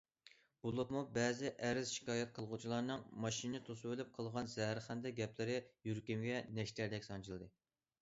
بولۇپمۇ بەزى ئەرز- شىكايەت قىلغۇچىلارنىڭ ماشىنىنى توسۇۋېلىپ قىلغان زەھەرخەندە گەپلىرى يۈرىكىمگە نەشتەردەك سانجىلدى.